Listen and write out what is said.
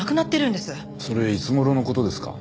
それいつ頃の事ですか？